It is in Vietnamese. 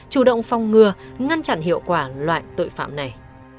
chủ động phong ngừa ngăn chặn hiệu quả loại tội phạm này